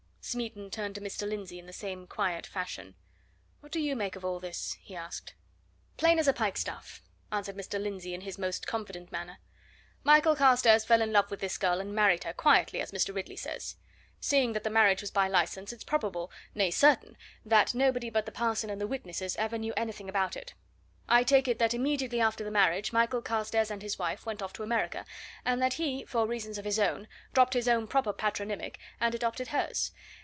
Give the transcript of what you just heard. Smeaton turned to Mr. Lindsey in the same quiet fashion. "What do you make of all this?" he asked. "Plain as a pikestaff," answered Mr. Lindsey in his most confident manner. "Michael Carstairs fell in love with this girl and married her, quietly as Mr. Ridley says, seeing that the marriage was by licence, it's probable, nay, certain, that nobody but the parson and the witnesses ever knew anything about it. I take it that immediately after the marriage Michael Carstairs and his wife went off to America, and that he, for reasons of his own, dropped his own proper patronymic and adopted hers.